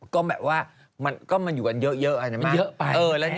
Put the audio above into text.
ก็แบบว่ามันอยู่กันเยอะใช่ไหมนะ